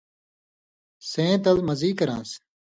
سَیں تل مزی کران٘س۔